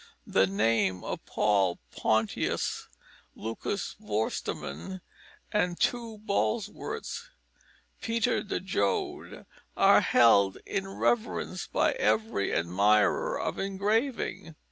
The names of Paul Pontius, Lucas Vorsterman, the two Bolswerts, Peter de Jode are held in reverence by every admirer of engraving.